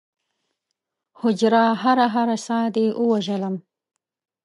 هجره! هره هره ساه دې ووژلم